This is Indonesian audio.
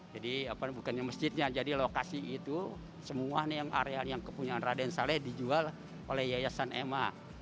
jadi bukan masjidnya jadi lokasi itu semua areal yang kepunyaan raden saleh dijual oleh yayasan ema